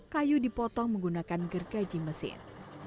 kayu dipotong menggunakan gergaji mesin